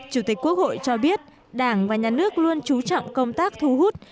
chủ tịch quốc hội cho biết đảng và nhà nước luôn trú trọng công tác thu hút